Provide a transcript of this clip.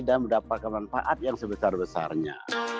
mendapatkan manfaat yang sebesar besarnya